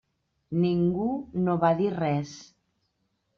Ningú no va dir res.